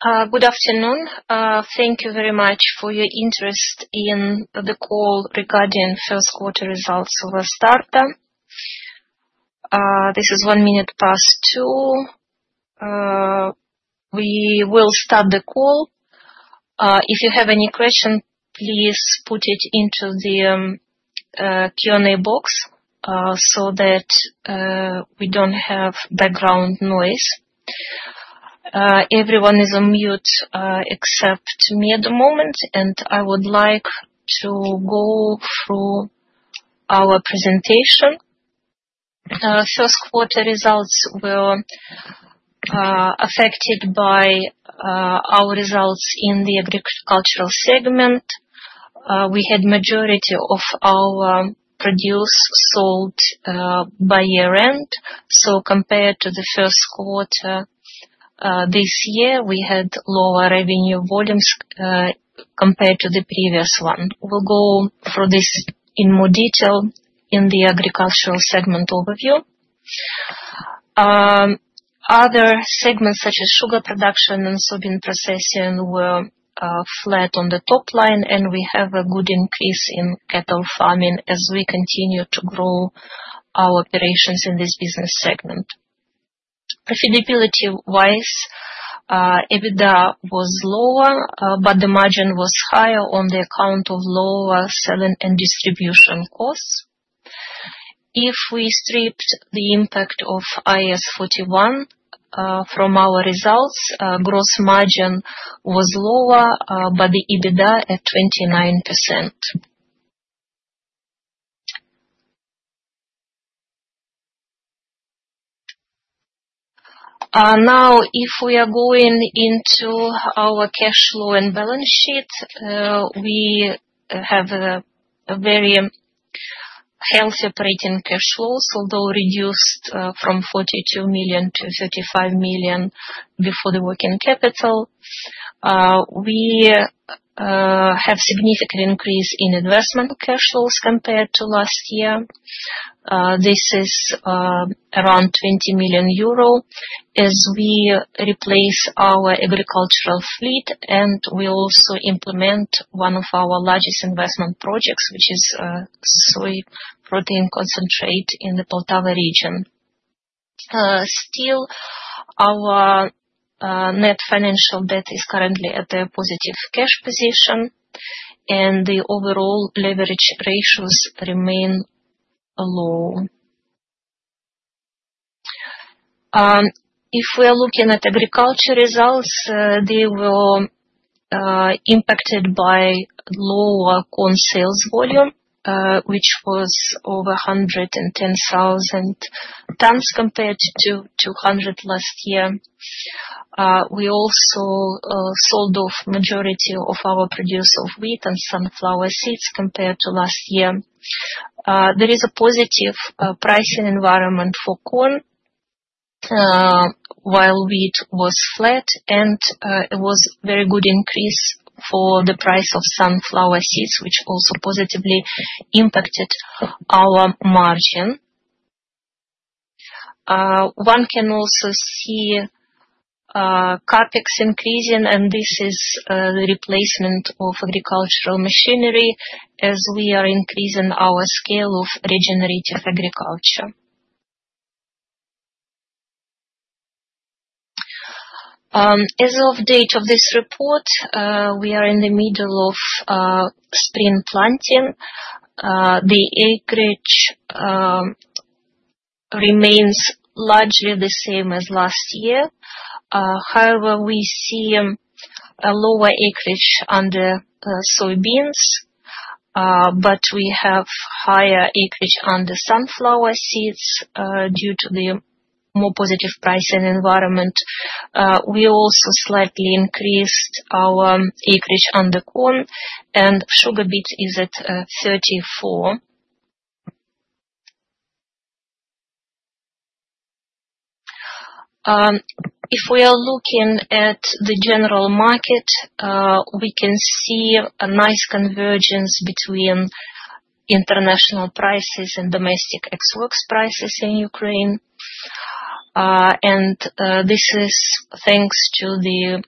Good afternoon. Thank you very much for your interest in the call regarding first-quarter results of Astarta. This is one minute past two. We will start the call. If you have any questions, please put it into the Q&A box so that we do not have background noise. Everyone is on mute except me at the moment, and I would like to go through our presentation. First-quarter results were affected by our results in the agricultural segment. We had a majority of our produce sold by year-end. Compared to the first quarter this year, we had lower revenue volumes compared to the previous one. We will go through this in more detail in the agricultural segment overview. Other segments, such as sugar production and soybean processing, were flat on the top line, and we have a good increase in cattle farming as we continue to grow our operations in this business segment. Profitability-wise, EBITDA was lower, but the margin was higher on the account of lower selling and distribution costs. If we strip the impact of IAS 41 from our results, gross margin was lower, but the EBITDA at 29%. Now, if we are going into our cash flow and balance sheet, we have a very healthy operating cash flow, although reduced from 42 million to 35 million before the working capital. We have a significant increase in investment cash flows compared to last year. This is around 20 million euro as we replace our agricultural fleet, and we also implement one of our largest investment projects, which is soy protein concentrate in the Poltava region. Still, our net financial debt is currently at a positive cash position, and the overall leverage ratios remain low. If we are looking at agriculture results, they were impacted by lower corn sales volume, which was over 110,000 tons compared to 200,000 last year. We also sold off the majority of our produce of wheat and sunflower seeds compared to last year. There is a positive pricing environment for corn, while wheat was flat, and it was a very good increase for the price of sunflower seeds, which also positively impacted our margin. One can also see CapEx increasing, and this is the replacement of agricultural machinery as we are increasing our scale of regenerative agriculture. As of date of this report, we are in the middle of spring planting. The acreage remains largely the same as last year. However, we see a lower acreage under soybeans, but we have higher acreage under sunflower seeds due to the more positive pricing environment. We also slightly increased our acreage under corn, and sugar beet is at 34. If we are looking at the general market, we can see a nice convergence between international prices and domestic export prices in Ukraine. This is thanks to the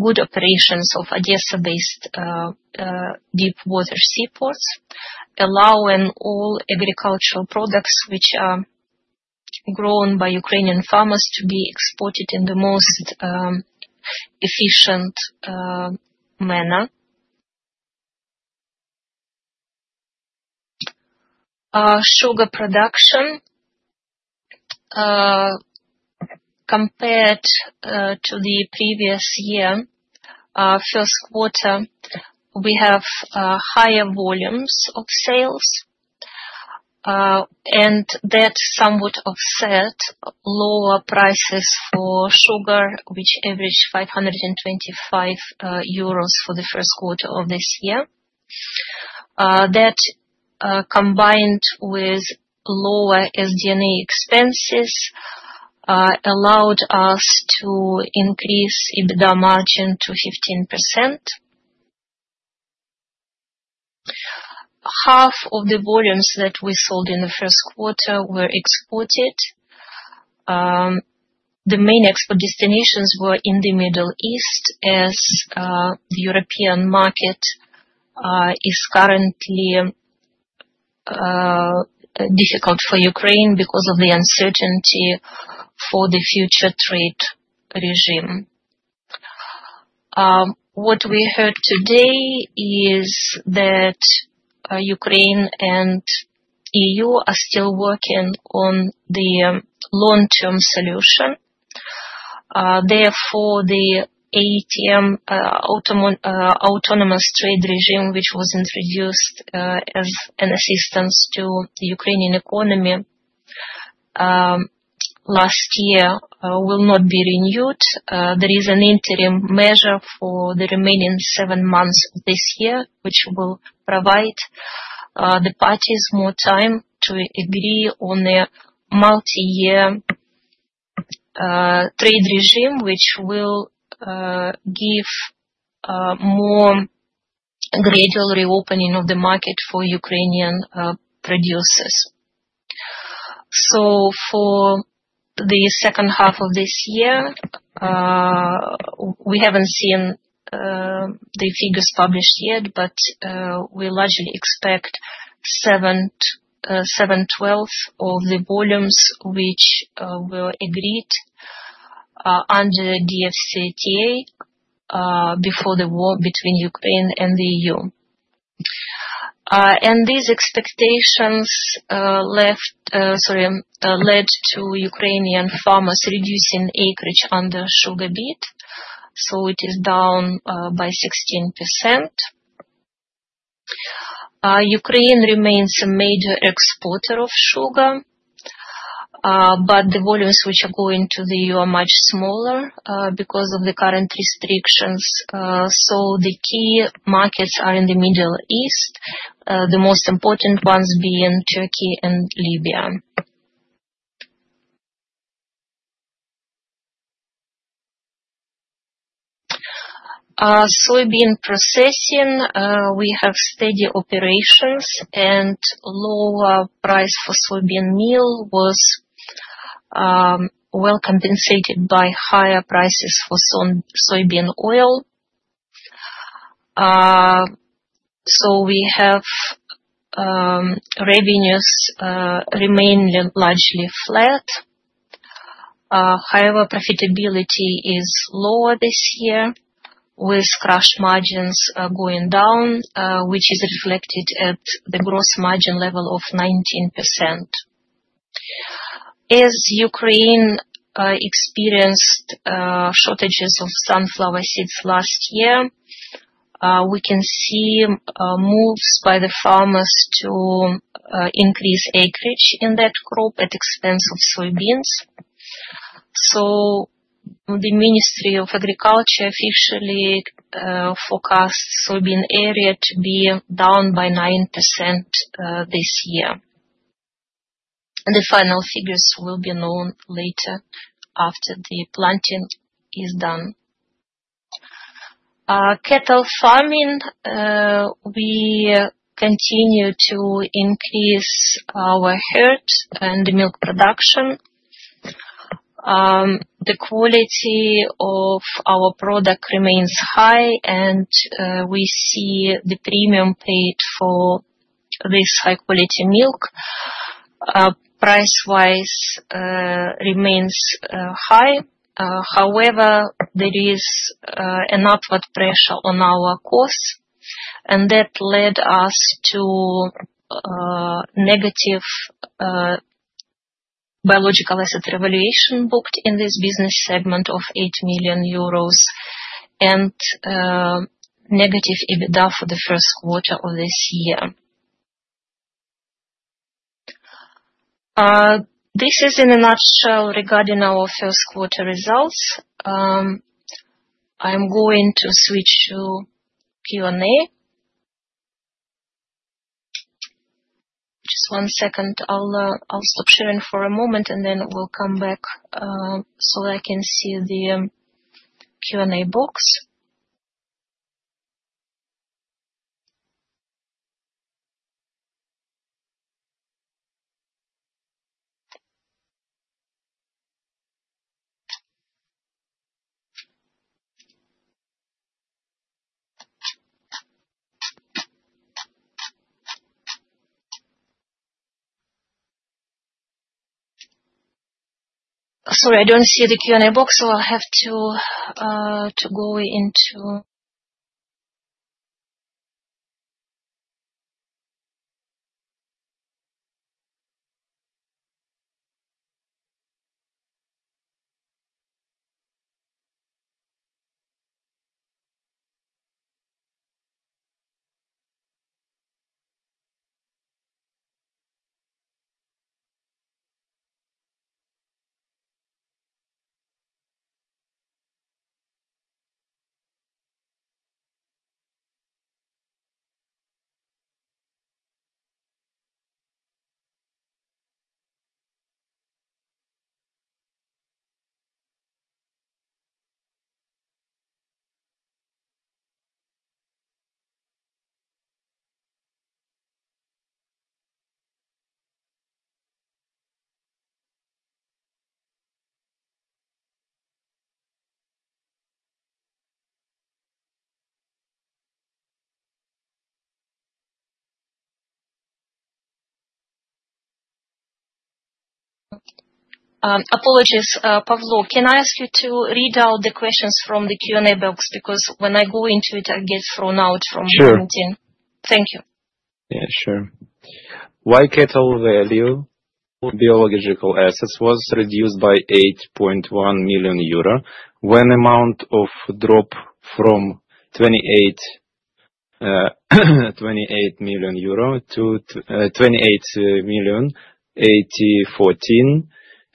good operations of Odessa-based deep-water seaports, allowing all agricultural products, which are grown by Ukrainian farmers, to be exported in the most efficient manner. Sugar production, compared to the previous year, first quarter, we have higher volumes of sales, and that somewhat offsets lower prices for sugar, which averaged 525 euros for the first quarter of this year. That, combined with lower SG&A expenses, allowed us to increase EBITDA margin to 15%. Half of the volumes that we sold in the first quarter were exported. The main export destinations were in the Middle East, as the European market is currently difficult for Ukraine because of the uncertainty for the future trade regime. What we heard today is that Ukraine and the EU are still working on the long-term solution. Therefore, the ATM, autonomous trade regime, which was introduced as an assistance to the Ukrainian economy last year, will not be renewed. There is an interim measure for the remaining seven months of this year, which will provide the parties more time to agree on a multi-year trade regime, which will give more gradual reopening of the market for Ukrainian producers. For the second half of this year, we haven't seen the figures published yet, but we largely expect 7/12 of the volumes which were agreed under DCFTA before the war between Ukraine and the EU. These expectations led to Ukrainian farmers reducing acreage under sugar beet, so it is down by 16%. Ukraine remains a major exporter of sugar, but the volumes which are going to the EU are much smaller because of the current restrictions. The key markets are in the Middle East, the most important ones being Turkey and Libya. Soybean processing, we have steady operations, and lower price for soybean meal was well compensated by higher prices for soybean oil. We have revenues remaining largely flat. However, profitability is lower this year, with crush margins going down, which is reflected at the gross margin level of 19%. As Ukraine experienced shortages of sunflower seeds last year, we can see moves by the farmers to increase acreage in that crop at the expense of soybeans. The Ministry of Agriculture officially forecasts soybean area to be down by 9% this year. The final figures will be known later after the planting is done. Cattle farming, we continue to increase our herd and milk production. The quality of our product remains high, and we see the premium paid for this high-quality milk. Price-wise, it remains high. However, there is an upward pressure on our costs, and that led us to negative biological asset revaluation booked in this business segment of 8 million euros and negative EBITDA for the first quarter of this year. This is in a nutshell regarding our first-quarter results. I'm going to switch to Q&A. Just one second. I'll stop sharing for a moment, and then we'll come back so that I can see the Q&A box. Sorry, I don't see the Q&A box, so I'll have to go into. Apologies, Pavlo. Can I ask you to read out the questions from the Q&A box? Because when I go into it, I get thrown out from the meeting. Thank you. Yeah, sure. Why cattle value or biological assets was reduced by 8.1 million euro when the amount of drop from 28,814,000 euro to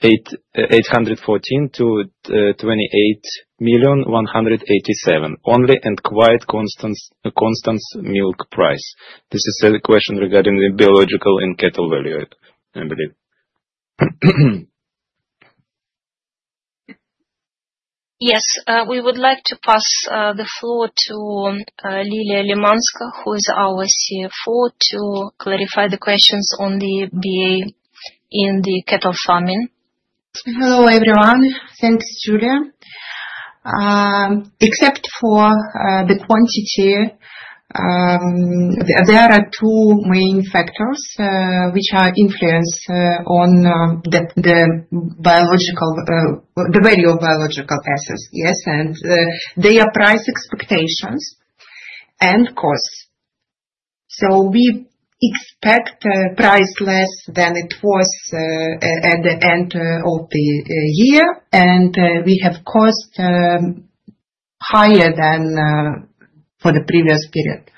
28,187,000 only and quite constant milk price? This is a question regarding the biological and cattle value, I believe. Yes. We would like to pass the floor to Liliia Lymanska, who is our CFO, to clarify the questions on the BA in the cattle farming. Hello, everyone. Thanks, Julia. Except for the quantity, there are two main factors which influence the value of biological assets, yes, and they are price expectations and costs. We expect price less than it was at the end of the year, and we have costs higher than for the previous period.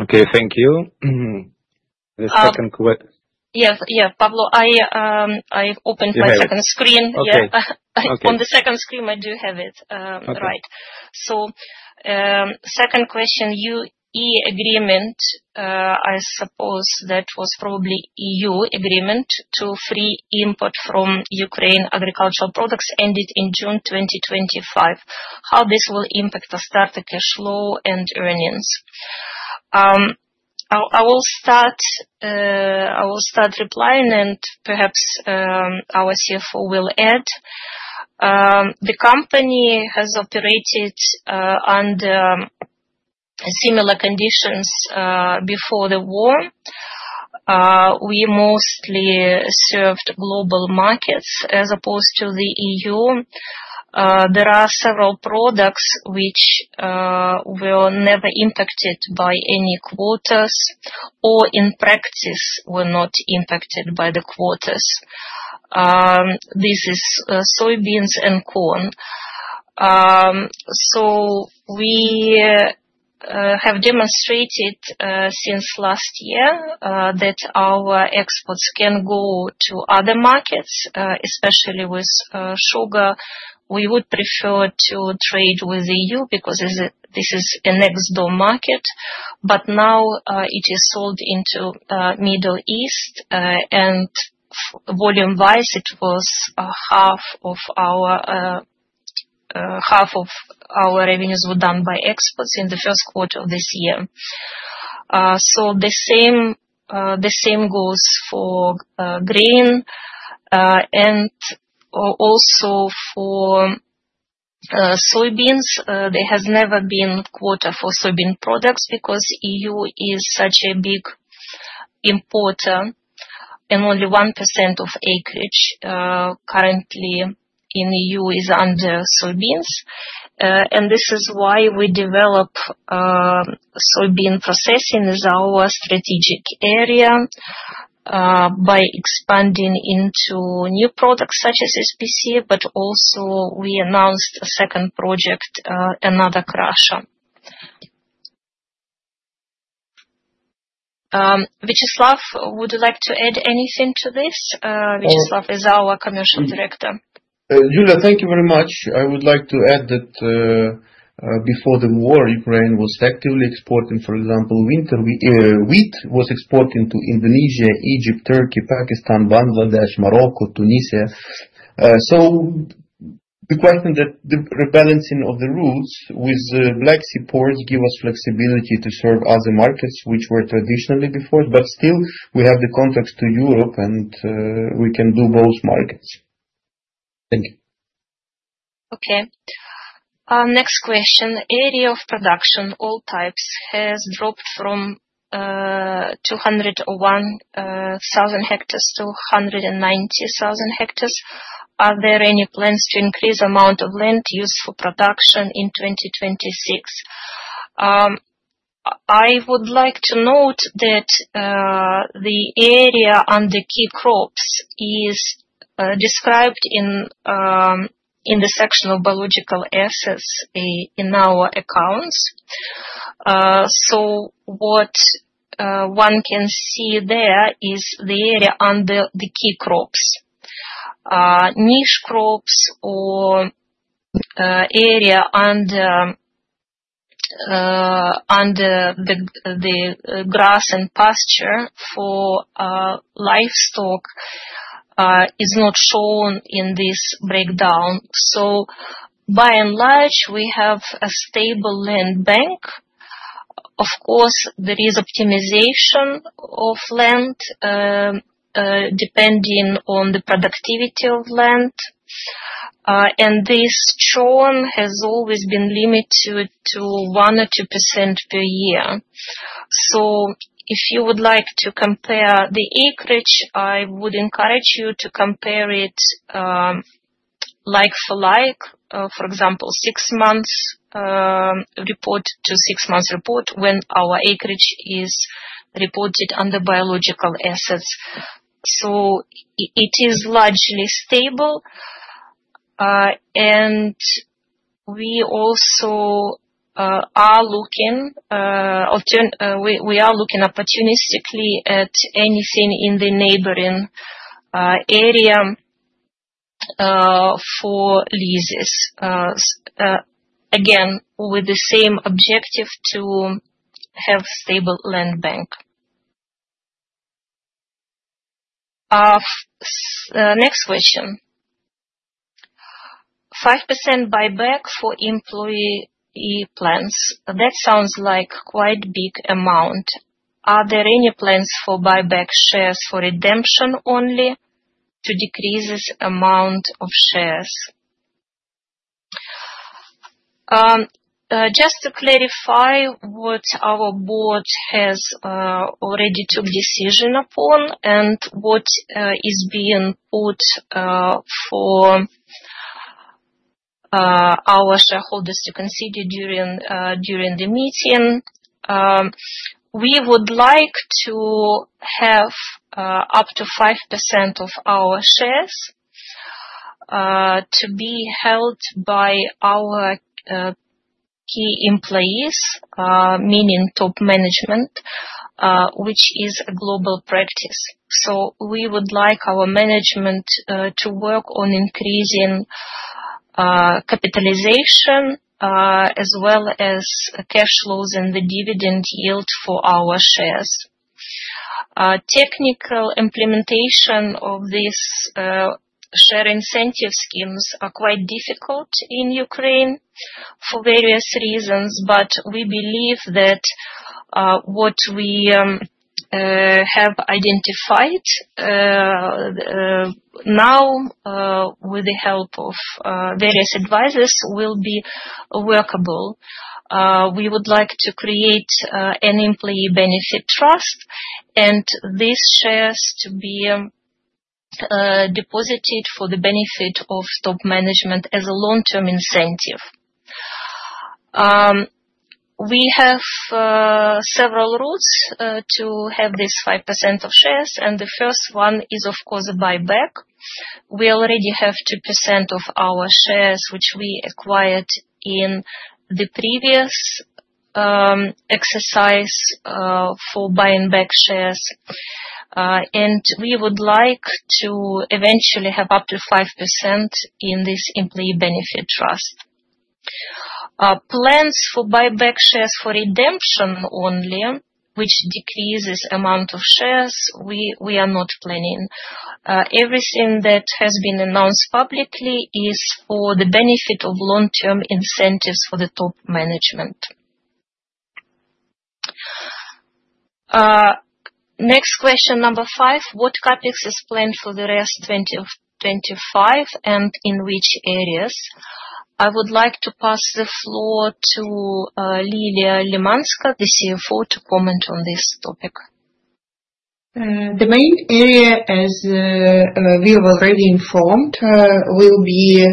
Okay, thank you. The second question. Yes, yeah, Pavlo. I've opened my second screen. Yeah. On the second screen, I do have it right. Second question, EU agreement, I suppose that was probably EU agreement to free import from Ukraine agricultural products ended in June 2025. How this will impact Astarta cash flow and earnings? I will start replying, and perhaps our CFO will add. The company has operated under similar conditions before the war. We mostly served global markets as opposed to the EU. There are several products which were never impacted by any quotas or in practice were not impacted by the quotas. This is soybeans and corn. We have demonstrated since last year that our exports can go to other markets, especially with sugar. We would prefer to trade with the EU because this is an ex-door market. Now it is sold into the Middle East, and volume-wise, half of our revenues were done by exports in the first quarter of this year. The same goes for grain and also for soybeans. There has never been a quota for soybean products because the EU is such a big importer, and only 1% of acreage currently in the EU is under soybeans. This is why we develop soybean processing as our strategic area by expanding into new products such as SPC, but also we announced a second project, another crusher. Viacheslav, would you like to add anything to this? Viacheslav is our Commercial Director. Julia, thank you very much. I would like to add that before the war, Ukraine was actively exporting, for example, wheat was exporting to Indonesia, Egypt, Turkey, Pakistan, Bangladesh, Morocco, Tunisia. The question that the rebalancing of the routes with Black Sea ports gives us flexibility to serve other markets which were traditionally before. Still, we have the context to Europe, and we can do both markets. Thank you. Okay. Next question. Area of production, all types, has dropped from 201,000 hectares to 190,000 hectares. Are there any plans to increase the amount of land used for production in 2026? I would like to note that the area under key crops is described in the section of biological assets in our accounts. What one can see there is the area under the key crops. Niche crops or area under the grass and pasture for livestock is not shown in this breakdown. By and large, we have a stable land bank. Of course, there is optimization of land depending on the productivity of land. This churn has always been limited to 1% or 2% per year. If you would like to compare the acreage, I would encourage you to compare it like for like, for example, six months report to six months report when our acreage is reported under biological assets. It is largely stable. We also are looking opportunistically at anything in the neighboring area for leases. Again, with the same objective to have a stable land bank. Next question. 5% buyback for employee plans. That sounds like quite a big amount. Are there any plans for buyback shares for redemption only to decrease this amount of shares? Just to clarify what our board has already took decision upon and what is being put for our shareholders to consider during the meeting. We would like to have up to 5% of our shares to be held by our key employees, meaning top management, which is a global practice. So we would like our management to work on increasing capitalization as well as cash flows and the dividend yield for our shares. Technical implementation of these share incentive schemes are quite difficult in Ukraine for various reasons, but we believe that what we have identified now with the help of various advisors will be workable. We would like to create an employee benefit trust and these shares to be deposited for the benefit of top management as a long-term incentive. We have several routes to have this 5% of shares, and the first one is, of course, a buyback. We already have 2% of our shares which we acquired in the previous exercise for buying back shares. We would like to eventually have up to 5% in this employee benefit trust. Plans for buyback shares for redemption only, which decreases the amount of shares, we are not planning. Everything that has been announced publicly is for the benefit of long-term incentives for the top management. Next question, number five. What CapEx is planned for the rest of 2025 and in which areas? I would like to pass the floor to Liliia Lymanska, the CFO, to comment on this topic. The main area, as we have already informed, will be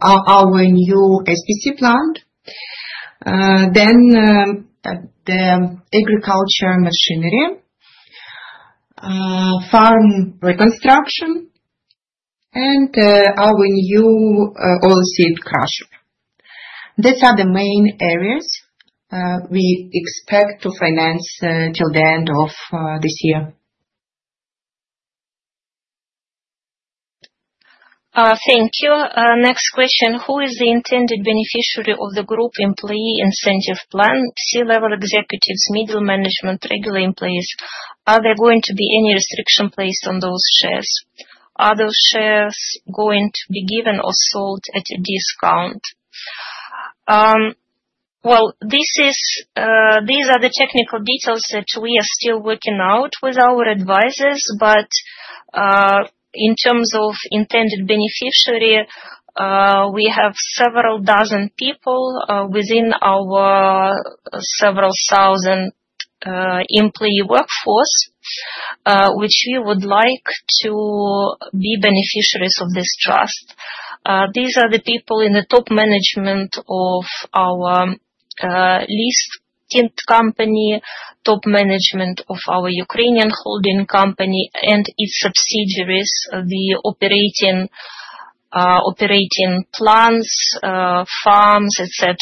our new SPC plant, then the agriculture machinery, farm reconstruction, and our new oil seed crusher. These are the main areas we expect to finance till the end of this year. Thank you. Next question. Who is the intended beneficiary of the group employee incentive plan? C-level executives, middle management, regular employees. Are there going to be any restriction placed on those shares? Are those shares going to be given or sold at a discount? These are the technical details that we are still working out with our advisors, but in terms of intended beneficiary, we have several dozen people within our several thousand employee workforce, which we would like to be beneficiaries of this trust. These are the people in the top management of our leased company, top management of our Ukrainian holding company and its subsidiaries, the operating plants, farms, etc.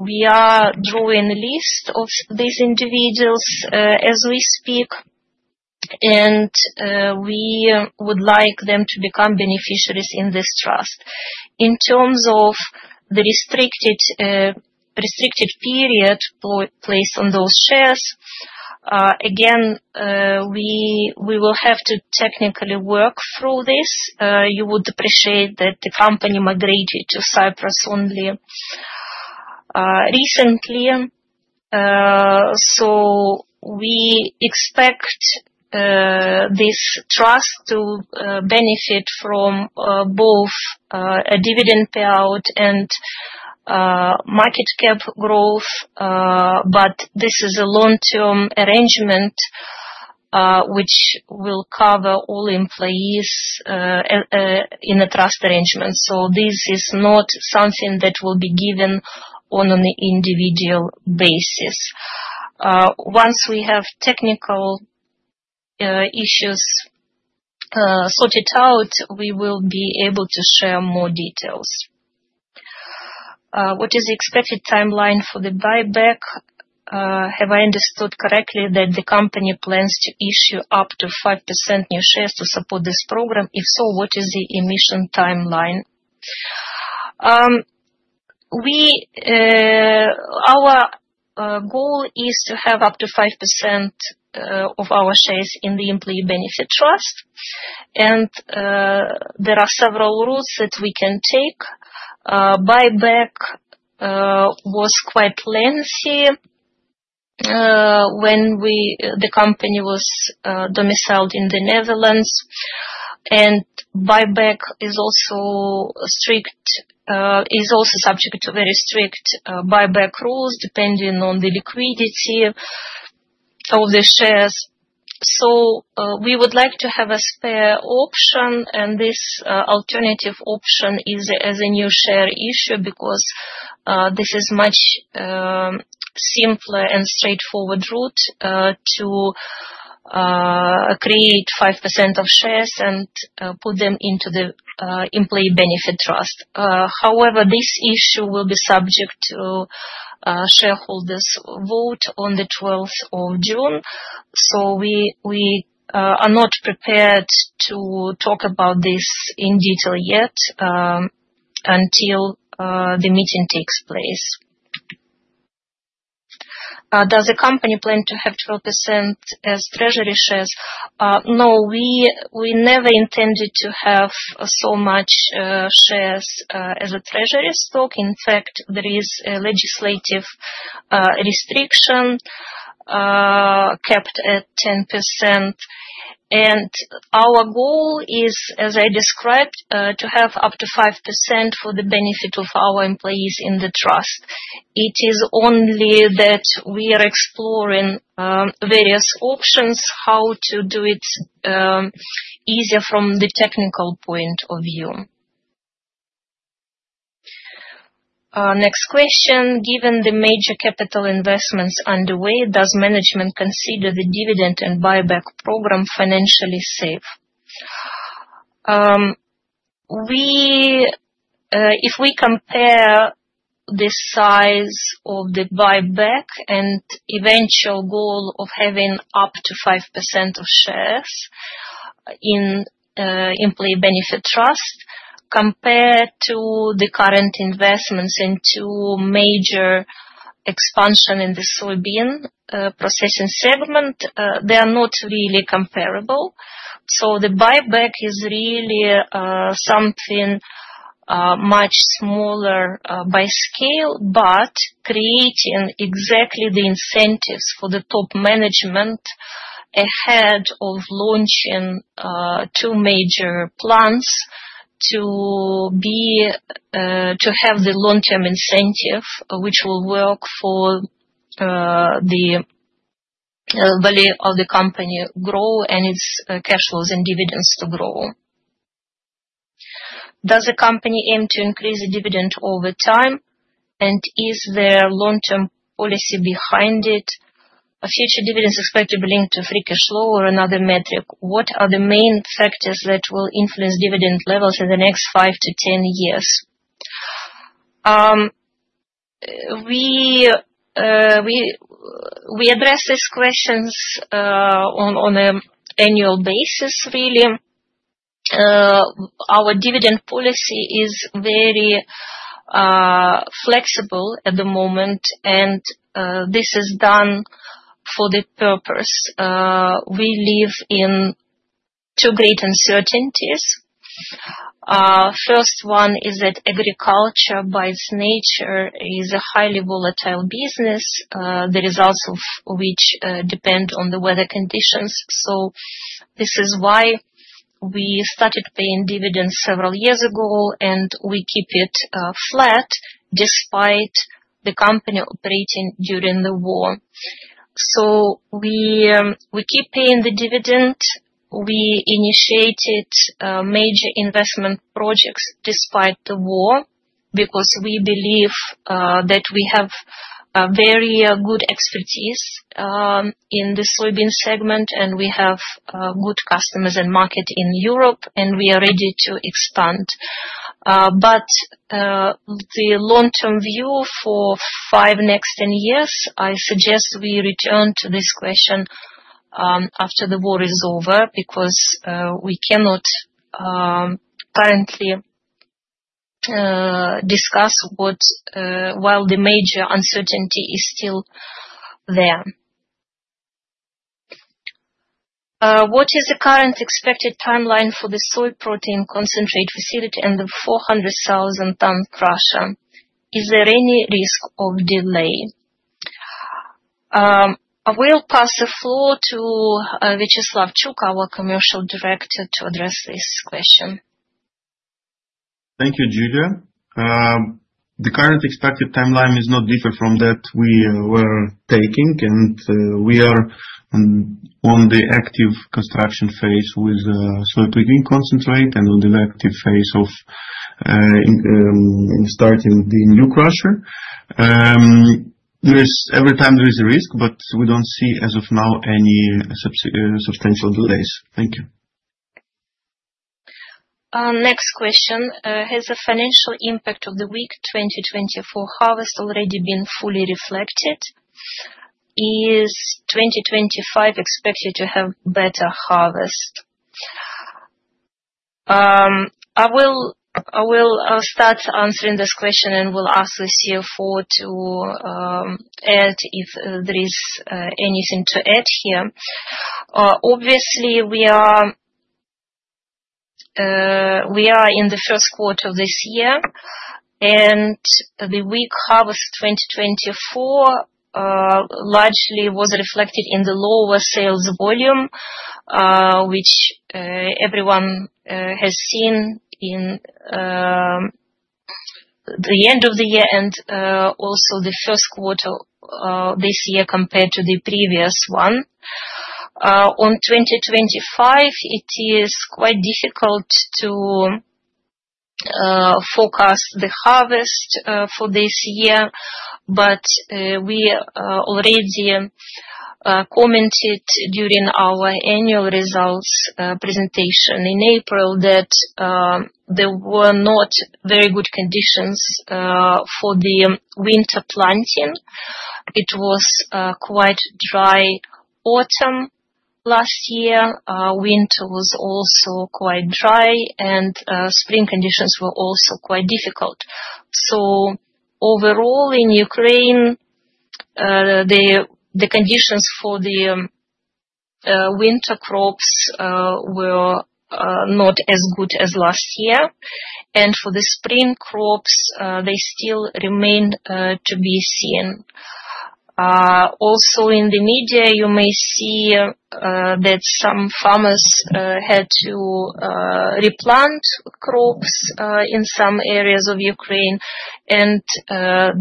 We are drawing a list of these individuals as we speak, and we would like them to become beneficiaries in this trust. In terms of the restricted period placed on those shares, again, we will have to technically work through this. You would appreciate that the company migrated to Cyprus only recently. We expect this trust to benefit from both a dividend payout and market cap growth, but this is a long-term arrangement which will cover all employees in a trust arrangement. This is not something that will be given on an individual basis. Once we have technical issues sorted out, we will be able to share more details. What is the expected timeline for the buyback? Have I understood correctly that the company plans to issue up to 5% new shares to support this program? If so, what is the emission timeline? Our goal is to have up to 5% of our shares in the employee benefit trust, and there are several routes that we can take. Buyback was quite lengthy when the company was domiciled in the Netherlands, and buyback is also subject to very strict buyback rules depending on the liquidity of the shares. We would like to have a spare option, and this alternative option is as a new share issue because this is a much simpler and straightforward route to create 5% of shares and put them into the employee benefit trust. However, this issue will be subject to shareholders' vote on the 12th of June. We are not prepared to talk about this in detail yet until the meeting takes place. Does the company plan to have 12% as treasury shares? No, we never intended to have so much shares as a treasury stock. In fact, there is a legislative restriction kept at 10%. Our goal is, as I described, to have up to 5% for the benefit of our employees in the trust. It is only that we are exploring various options how to do it easier from the technical point of view. Next question. Given the major capital investments underway, does management consider the dividend and buyback program financially safe? If we compare the size of the buyback and eventual goal of having up to 5% of shares in employee benefit trust compared to the current investments into major expansion in the soybean processing segment, they are not really comparable. The buyback is really something much smaller by scale, but creating exactly the incentives for the top management ahead of launching two major plans to have the long-term incentive which will work for the value of the company to grow and its cash flows and dividends to grow. Does the company aim to increase the dividend over time? Is there a long-term policy behind it? Future dividends expected to be linked to free cash flow or another metric? What are the main factors that will influence dividend levels in the next 5 to 10 years? We address these questions on an annual basis, really. Our dividend policy is very flexible at the moment, and this is done for the purpose we live in two great uncertainties. The first one is that agriculture, by its nature, is a highly volatile business, the results of which depend on the weather conditions. This is why we started paying dividends several years ago, and we keep it flat despite the company operating during the war. We keep paying the dividend. We initiated major investment projects despite the war because we believe that we have very good expertise in the soybean segment, and we have good customers and market in Europe, and we are ready to expand. The long-term view for the next five to 10 years, I suggest we return to this question after the war is over because we cannot currently discuss while the major uncertainty is still there. What is the current expected timeline for the soy protein concentrate facility and the 400,000-ton crusher? Is there any risk of delay? I will pass the floor to Viacheslav Chuk, our Commercial Director, to address this question. Thank you, Julia. The current expected timeline is not different from that we were taking, and we are on the active construction phase with soy protein concentrate and on the active phase of starting the new crusher. Every time there is a risk, but we do not see, as of now, any substantial delays. Thank you. Next question. Has the financial impact of the wheat 2024 harvest already been fully reflected? Is 2025 expected to have better harvest? I will start answering this question and will ask the CFO to add if there is anything to add here. Obviously, we are in the first quarter of this year, and the wheat harvest 2024 largely was reflected in the lower sales volume, which everyone has seen in the end of the year and also the first quarter this year compared to the previous one. On 2025, it is quite difficult to forecast the harvest for this year, but we already commented during our annual results presentation in April that there were not very good conditions for the winter planting. It was quite a dry autumn last year. Winter was also quite dry, and spring conditions were also quite difficult. Overall, in Ukraine, the conditions for the winter crops were not as good as last year, and for the spring crops, they still remain to be seen. Also, in the media, you may see that some farmers had to replant crops in some areas of Ukraine, and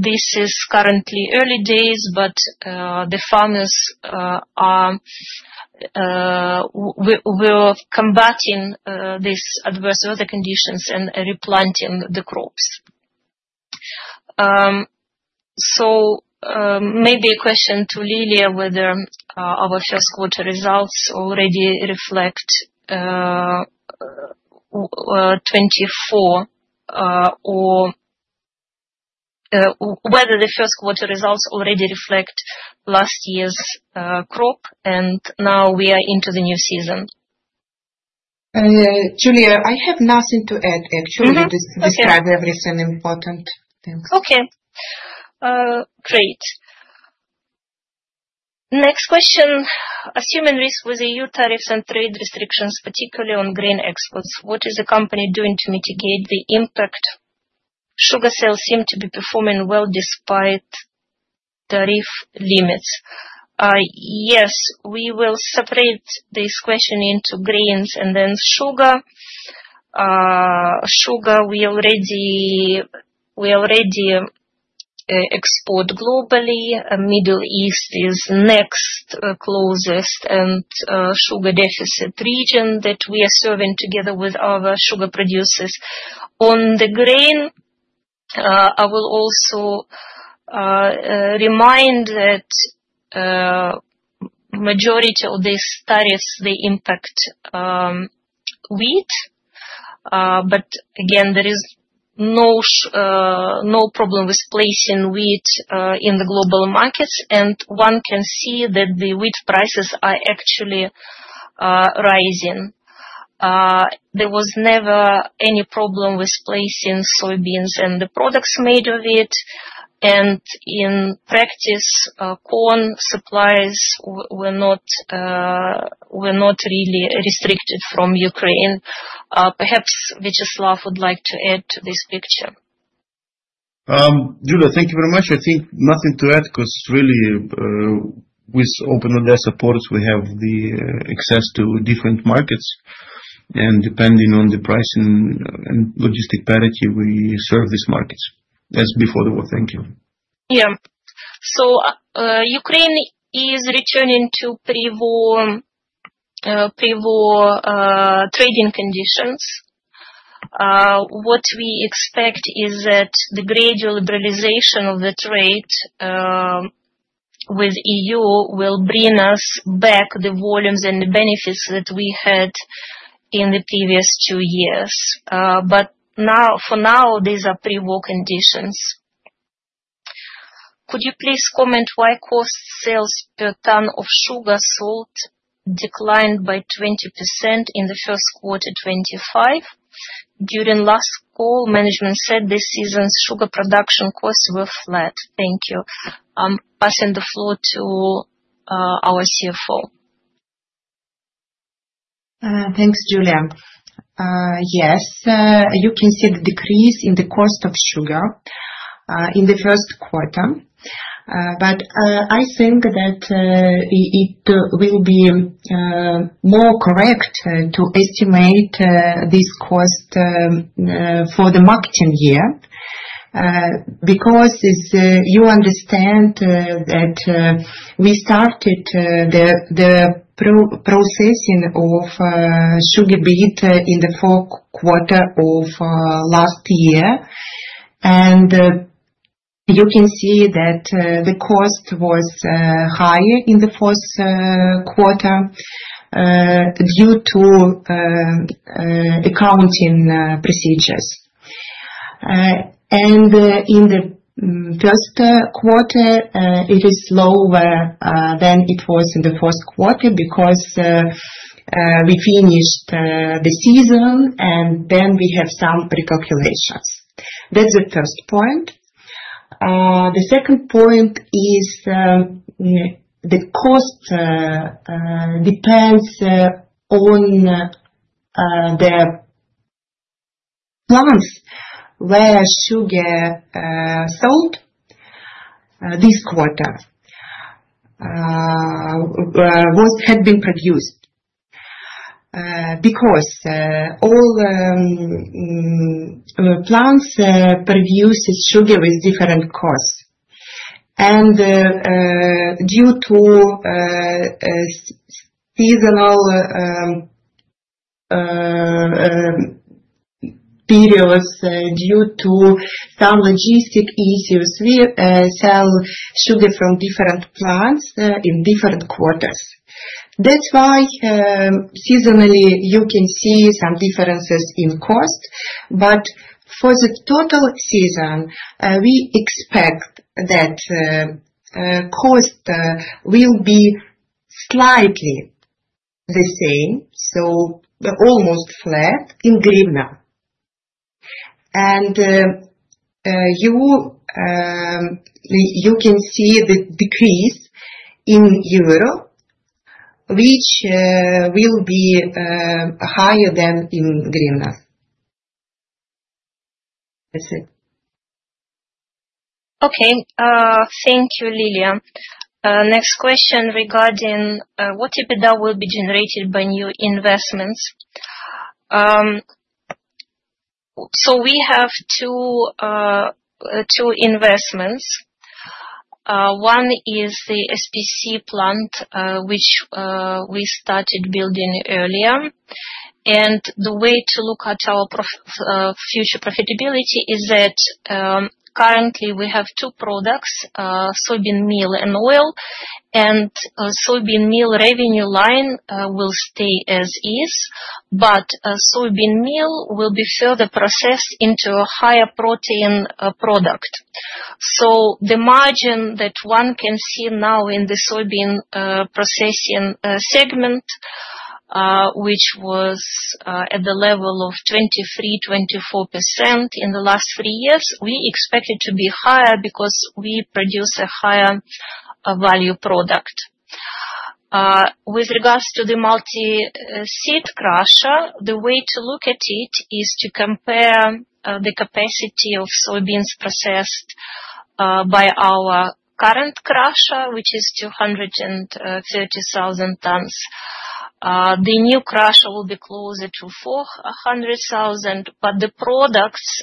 this is currently early days, but the farmers were combating these adverse weather conditions and replanting the crops. Maybe a question to Liliia whether our first quarter results already reflect 2024 or whether the first quarter results already reflect last year's crop, and now we are into the new season. Julia, I have nothing to add, actually. You described everything important. Thanks. Okay. Great. Next question. Assuming risk with the EU tariffs and trade restrictions, particularly on grain exports, what is the company doing to mitigate the impact? Sugar sales seem to be performing well despite tariff limits. Yes, we will separate this question into grains and then sugar. Sugar we already export globally. Middle East is next closest and sugar deficit region that we are serving together with our sugar producers. On the grain, I will also remind that the majority of these tariffs, they impact wheat, but again, there is no problem with placing wheat in the global markets, and one can see that the wheat prices are actually rising. There was never any problem with placing soybeans and the products made of it. In practice, corn supplies were not really restricted from Ukraine. Perhaps Viacheslav would like to add to this picture. Julia, thank you very much. I think nothing to add because really, with open order support, we have the access to different markets, and depending on the pricing and logistic parity, we serve these markets. As before the war. Thank you. Ukraine is returning to pre-war trading conditions. What we expect is that the gradual liberalization of the trade with the EU will bring us back the volumes and the benefits that we had in the previous two years. For now, these are pre-war conditions. Could you please comment why cost sales per ton of sugar sold declined by 20% in the first quarter 2025? During last call, management said this season's sugar production costs were flat. Thank you. I'm passing the floor to our CFO. Thanks, Julia. Yes, you can see the decrease in the cost of sugar in the first quarter, but I think that it will be more correct to estimate this cost for the marketing year because you understand that we started the processing of sugar beet in the fourth quarter of last year, and you can see that the cost was higher in the fourth quarter due to accounting procedures. In the first quarter, it is lower than it was in the fourth quarter because we finished the season, and then we have some recalculations. That is the first point. The second point is the cost depends on the plants where sugar sold this quarter had been produced because all plants produce sugar with different costs. Due to seasonal periods, due to some logistic issues, we sell sugar from different plants in different quarters. That is why seasonally you can see some differences in cost, but for the total season, we expect that cost will be slightly the same, so almost flat. In Ukrainian hryvnia. You can see the decrease in EUR, which will be higher than in Ukrainian hryvnia. That is it. Okay. Thank you, Liliia. Next question regarding what EBITDA will be generated by new investments. We have two investments. One is the SPC plant, which we started building earlier. The way to look at our future profitability is that currently we have two products, soybean meal and oil, and soybean meal revenue line will stay as is, but soybean meal will be further processed into a higher protein product. The margin that one can see now in the soybean processing segment, which was at the level of 23%-24% in the last three years, we expect it to be higher because we produce a higher value product. With regards to the multi-seed crusher, the way to look at it is to compare the capacity of soybeans processed by our current crusher, which is 230,000 tons. The new crusher will be closer to 400,000, but the products,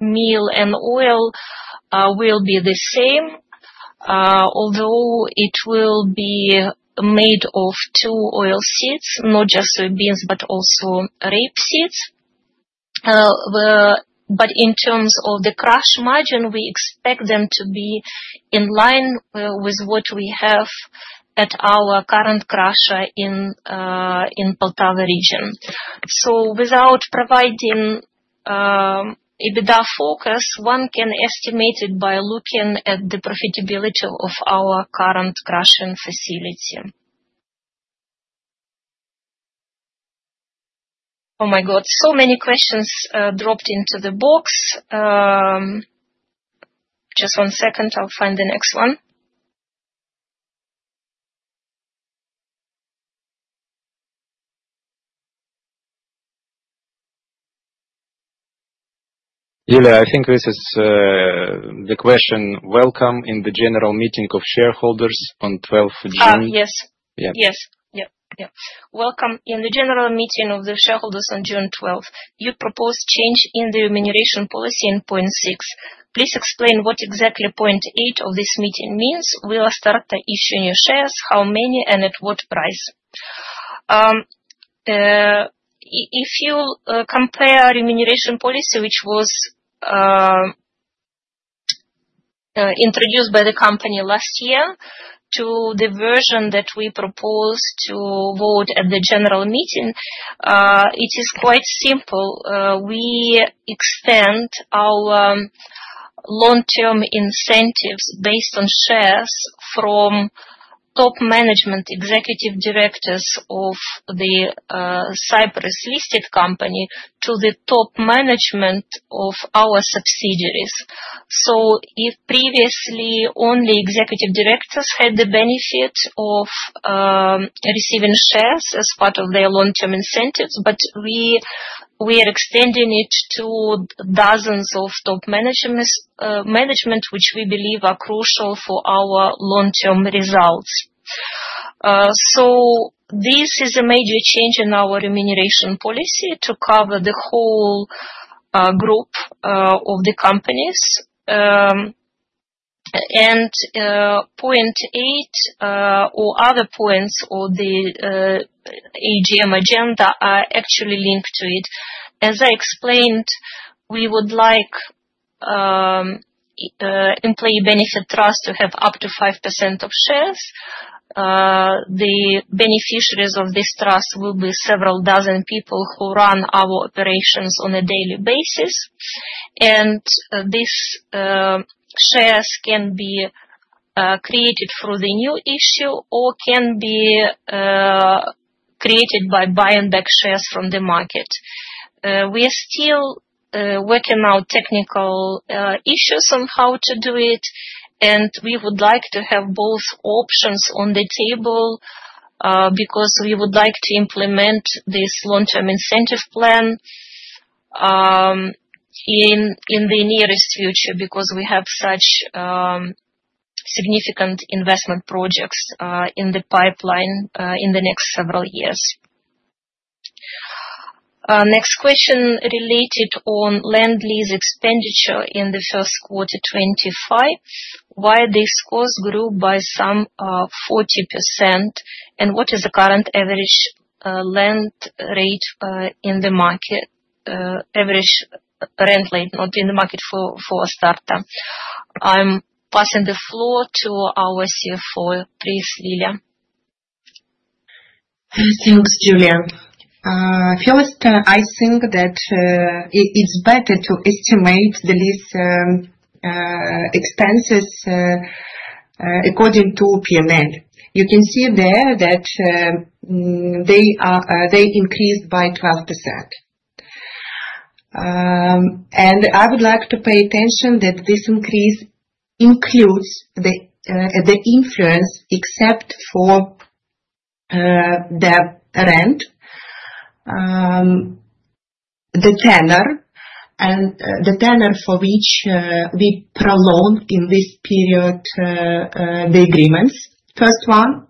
meal and oil, will be the same, although it will be made of two oil seeds, not just soybeans, but also rapeseeds. In terms of the crush margin, we expect them to be in line with what we have at our current crusher in Poltava region. Without providing EBITDA focus, one can estimate it by looking at the profitability of our current crushing facility. Oh my God, so many questions dropped into the box. Just one second, I'll find the next one. Julia, I think this is the question. Welcome in the general meeting of shareholders on 12th June. Yes. Yes. Yes. Welcome in the general meeting of the shareholders on June 12th. You propose change in the remuneration policy in point 6. Please explain what exactly point 8 of this meeting means. We will start by issuing your shares, how many, and at what price. If you compare remuneration policy, which was introduced by the company last year to the version that we propose to vote at the general meeting, it is quite simple. We extend our long-term incentives based on shares from top management executive directors of the Cyprus listed company to the top management of our subsidiaries. If previously only executive directors had the benefit of receiving shares as part of their long-term incentives, we are extending it to dozens of top management, which we believe are crucial for our long-term results. This is a major change in our remuneration policy to cover the whole group of the companies. Point 8 or other points of the AGM agenda are actually linked to it. As I explained, we would like Employee Benefit Trust to have up to 5% of shares. The beneficiaries of this trust will be several dozen people who run our operations on a daily basis. These shares can be created through the new issue or can be created by buying back shares from the market. We are still working out technical issues on how to do it, and we would like to have both options on the table because we would like to implement this long-term incentive plan in the nearest future because we have such significant investment projects in the pipeline in the next several years. Next question related on land lease expenditure in the first quarter 2025. Why this cost grew by some 40%? What is the current average land rate in the market? Average rent rate, not in the market for starter. I'm passing the floor to our CFO, please, Liliia. Thanks, Julia. First, I think that it's better to estimate the lease expenses according to P&L. You can see there that they increased by 12%. I would like to pay attention that this increase includes the influence except for the rent, the tenor, and the tenor for which we prolong in this period the agreements, first one.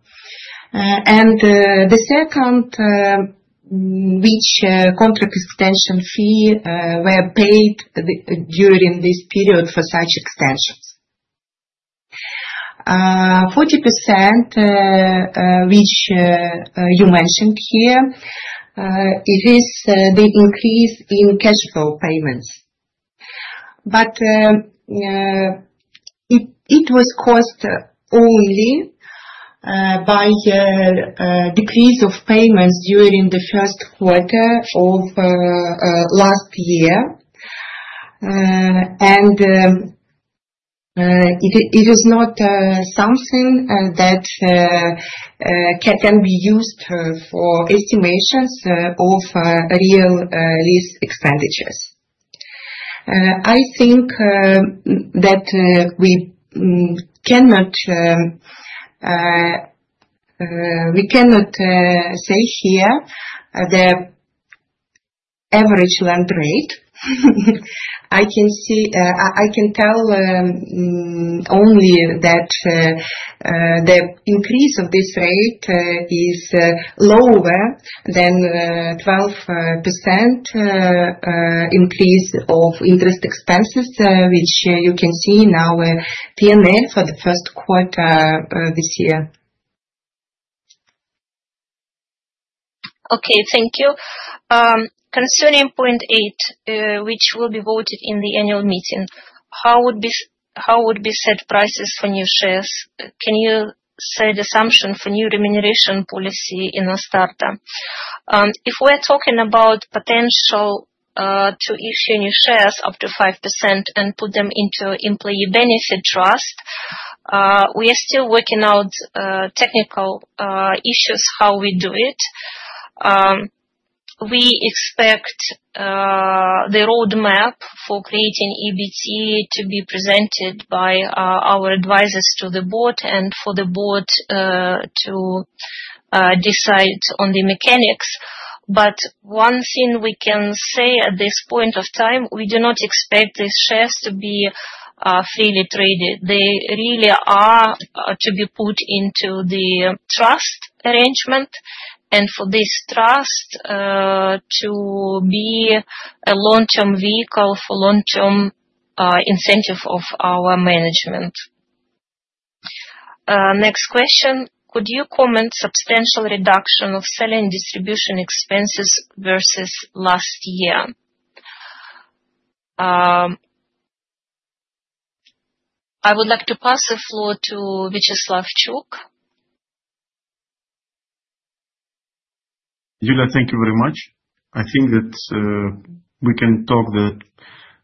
The second, which contract extension fee were paid during this period for such extensions. 40%, which you mentioned here, it is the increase in cash flow payments. It was caused only by a decrease of payments during the first quarter of last year. It is not something that can be used for estimations of real lease expenditures. I think that we cannot say here the average land rate. I can tell only that the increase of this rate is lower than 12% increase of interest expenses, which you can see in our P&L for the first quarter this year. Okay. Thank you. Concerning point 8, which will be voted in the annual meeting, how would be set prices for new shares? Can you set assumption for new remuneration policy in Astarta? If we're talking about potential to issue new shares up to 5% and put them into Employee Benefit Trust, we are still working out technical issues how we do it. We expect the roadmap for creating EBT to be presented by our advisors to the board and for the board to decide on the mechanics. One thing we can say at this point of time, we do not expect these shares to be freely traded. They really are to be put into the trust arrangement, and for this trust to be a long-term vehicle for long-term incentive of our management. Next question, could you comment on substantial reduction of selling distribution expenses versus last year? I would like to pass the floor to Viacheslav Chuk. Julia, thank you very much. I think that we can talk that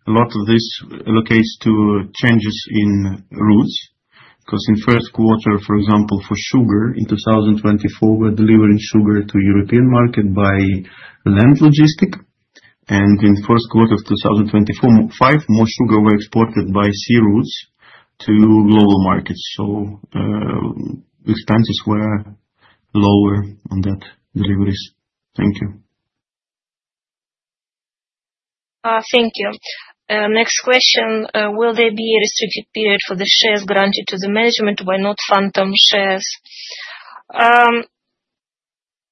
a lot of this allocates to changes in routes because in first quarter, for example, for sugar in 2024, we are delivering sugar to the European market by land logistic. In the first quarter of 2024, more sugar was exported by sea routes to global markets. Expenses were lower on that deliveries. Thank you. Thank you. Next question, will there be a restricted period for the shares granted to the management? Why not phantom shares?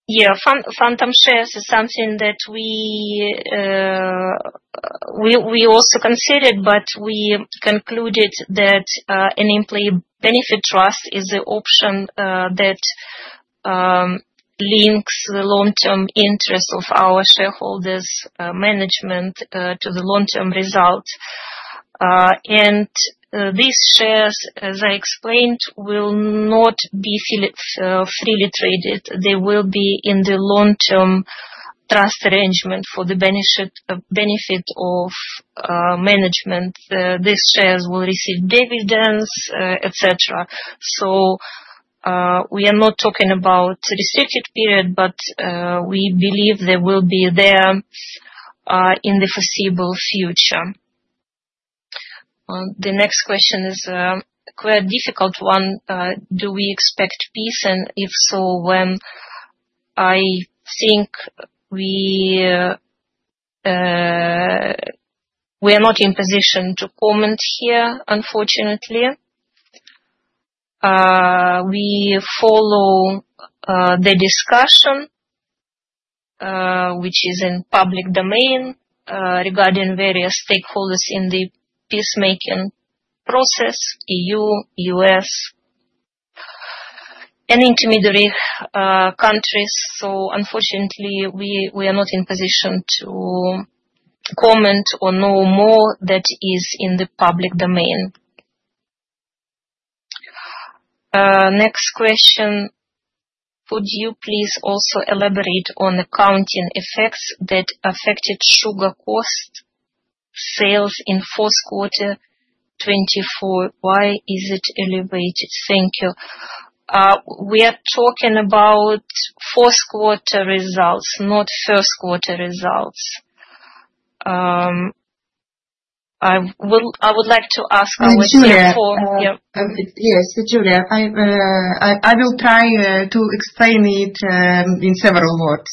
Yeah, phantom shares is something that we also considered, but we concluded that an Employee Benefit Trust is the option that links the long-term interest of our shareholders' management to the long-term result. These shares, as I explained, will not be freely traded. They will be in the long-term trust arrangement for the benefit of management. These shares will receive dividends, etc. We are not talking about a restricted period, but we believe they will be there in the foreseeable future. The next question is a quite difficult one. Do we expect peace? And if so, when? I think we are not in position to comment here, unfortunately. We follow the discussion, which is in public domain, regarding various stakeholders in the peacemaking process, EU, U.S., and intermediary countries. Unfortunately, we are not in position to comment on no more that is in the public domain. Next question, could you please also elaborate on accounting effects that affected sugar cost sales in fourth quarter 2024? Why is it elevated? Thank you. We are talking about fourth quarter results, not first quarter results. I would like to ask our CFO. Yes, Julia. I will try to explain it in several words.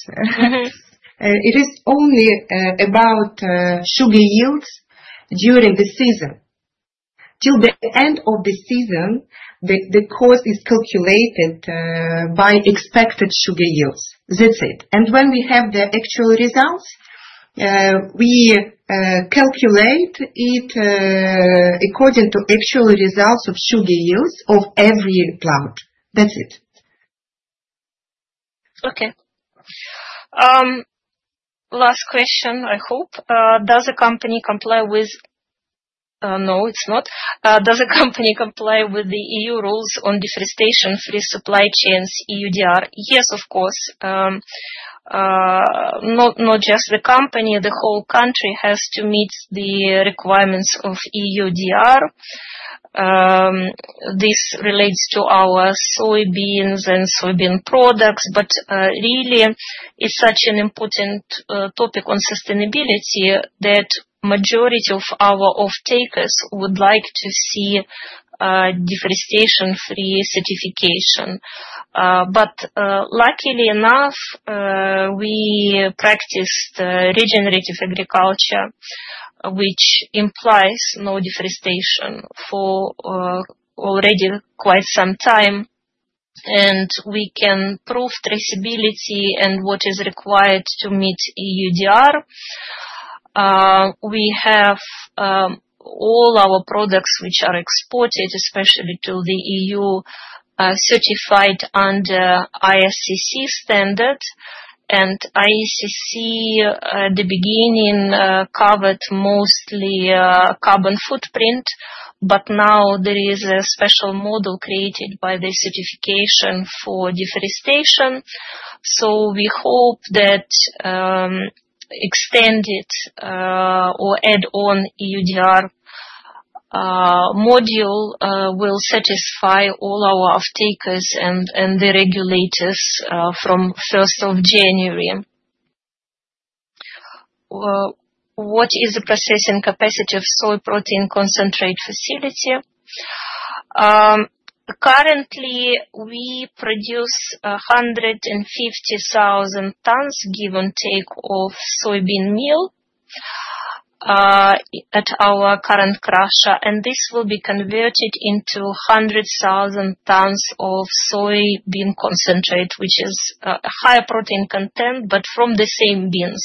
It is only about sugar yields during the season. Till the end of the season, the cost is calculated by expected sugar yields. That's it. When we have the actual results, we calculate it according to actual results of sugar yields of every plant. That's it. Okay. Last question, I hope. Does the company comply with? No, it's not. Does the company comply with the EU rules on deforestation, free supply chains, EUDR? Yes, of course. Not just the company. The whole country has to meet the requirements of EUDR. This relates to our soybeans and soybean products. Really, it's such an important topic on sustainability that the majority of our off-takers would like to see deforestation-free certification. Luckily enough, we practiced regenerative agriculture, which implies no deforestation for already quite some time. We can prove traceability and what is required to meet EUDR. We have all our products, which are exported, especially to the EU, certified under ISCC standard. ISCC, at the beginning, covered mostly carbon footprint, but now there is a special model created by the certification for deforestation. We hope that extended or add-on EUDR module will satisfy all our off-takers and the regulators from 1st of January. What is the processing capacity of soy protein concentrate facility? Currently, we produce 150,000 tons, give and take, of soybean meal at our current crusher. This will be converted into 100,000 tons of soybean concentrate, which is a higher protein content, but from the same beans.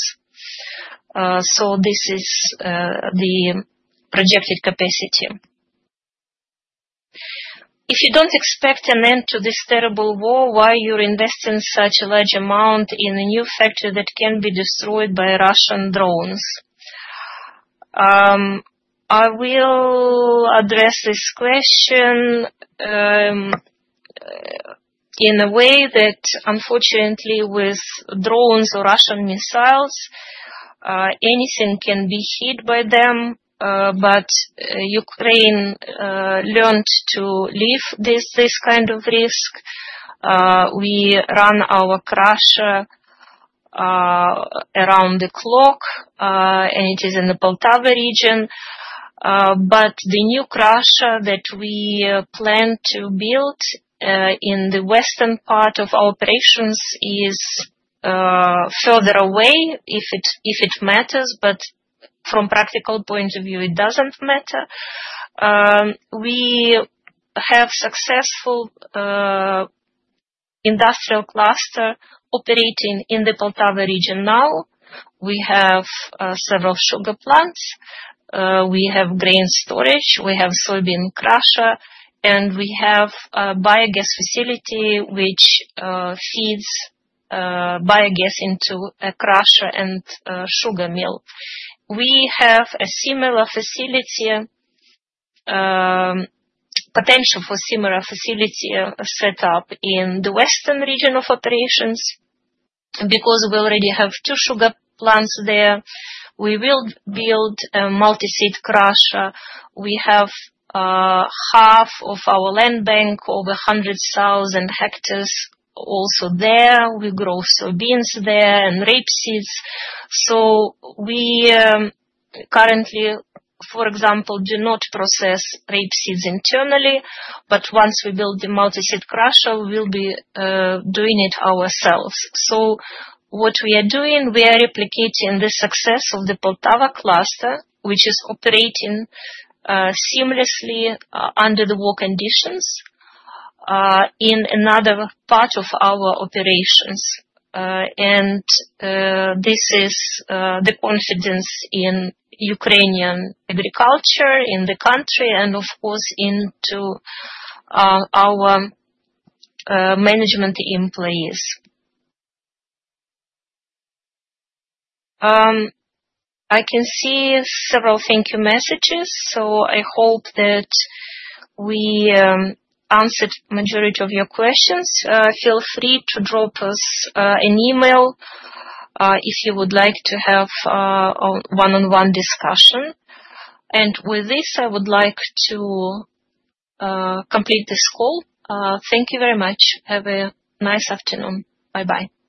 This is the projected capacity. If you do not expect an end to this terrible war, why are you investing such a large amount in a new factory that can be destroyed by Russian drones? I will address this question in a way that, unfortunately, with drones or Russian missiles, anything can be hit by them. Ukraine learned to live with this kind of risk. We run our crusher around the clock, and it is in the Poltava region. The new crusher that we plan to build in the western part of our operations is further away, if it matters. From a practical point of view, it does not matter. We have a successful industrial cluster operating in the Poltava region now. We have several sugar plants. We have grain storage. We have a soybean crusher. We have a biogas facility, which feeds biogas into a crusher and sugar mill. We have a potential for a similar facility set up in the western region of operations because we already have two sugar plants there. We will build a multi-seed crusher. We have half of our land bank, over 100,000 hectares also there. We grow soybeans there and rapeseeds. We currently, for example, do not process rapeseeds internally. Once we build the multi-seed crusher, we will be doing it ourselves. What we are doing, we are replicating the success of the Poltava cluster, which is operating seamlessly under the war conditions in another part of our operations. This is the confidence in Ukrainian agriculture in the country and, of course, into our management employees. I can see several thank you messages. I hope that we answered the majority of your questions. Feel free to drop us an email if you would like to have a one-on-one discussion. With this, I would like to complete this call. Thank you very much. Have a nice afternoon. Bye-bye.